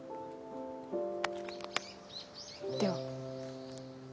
では。